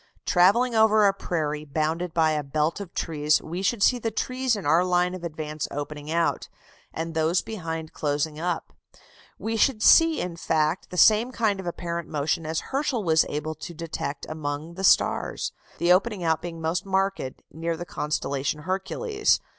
Travelling over a prairie bounded by a belt of trees, we should see the trees in our line of advance opening out, and those behind closing up; we should see in fact the same kind of apparent motion as Herschel was able to detect among the stars: the opening out being most marked near the constellation Hercules.